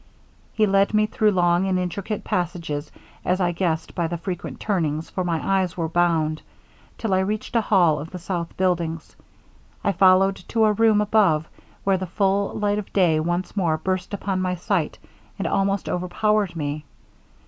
He led me through long and intricate passages, as I guessed by the frequent turnings, for my eyes were bound, till I reached a hall of the south buildings. I followed to a room above, where the full light of day once more burst upon my sight, and almost overpowered me.